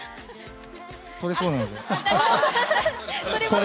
とれそうなので。